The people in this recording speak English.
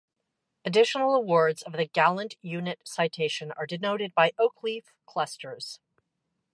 Additional awards of the Gallant Unit Citation are denoted by oak leaf clusters.